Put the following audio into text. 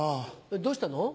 どうしたの？